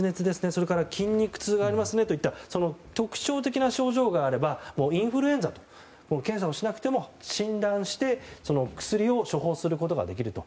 それから筋肉痛がありますねと特徴的な症状があればインフルエンザと検査をしなくても診断して、薬を処方することができると。